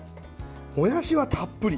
もやしはたっぷり。